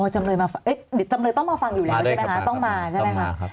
จำเลยต้องมาฟังอยู่แล้วใช่ไหมครับต้องมาใช่ไหมครับ